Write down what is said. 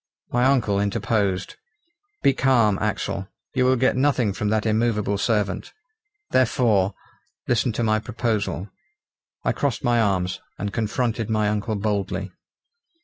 My uncle interposed. "Be calm, Axel! you will get nothing from that immovable servant. Therefore, listen to my proposal." I crossed my arms, and confronted my uncle boldly.